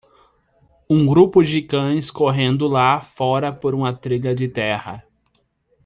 um grupo de cães correndo lá fora por uma trilha de terra.